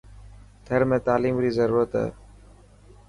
ٿر ۾ تعليم ري ضرورت هي.